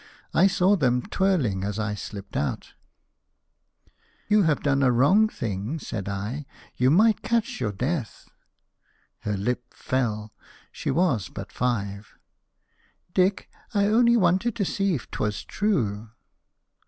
I saw them twirling, as I slipped out " "You have done a wrong thing," said I: "you might catch your death." Her lip fell: she was but five. "Dick, I only wanted to see if 'twas true."